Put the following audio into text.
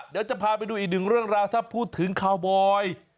เดี๋ยวจะพาไปดูอีกหนึ่งเรื่องราวถ้าพูดถึงคาวบอย